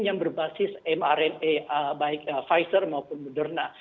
yang berbasis mrna baik pfizer maupun moderna